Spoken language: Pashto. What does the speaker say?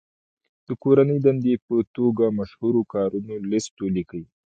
د کورنۍ دندې په توګه مشهورو کارونو لست ولیکئ.